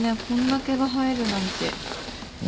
こんな毛が生えるなんて。